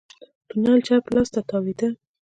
تونل چپ لاس ته تاوېده.